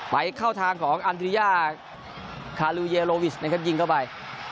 ไปเข้าทางของอันดุริยาคาลูเยโลวิชนะครับยิงเข้าไป